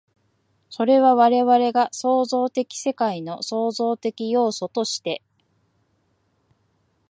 それは我々が創造的世界の創造的要素として、